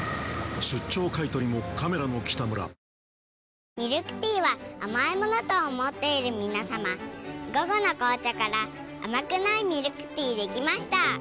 わぁミルクティーは甘いものと思っている皆さま「午後の紅茶」から甘くないミルクティーできました。